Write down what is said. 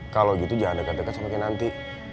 kalau gitu jahat dekat dekat semakin nanti